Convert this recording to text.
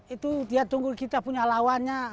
itu dia tunggu kita punya lawannya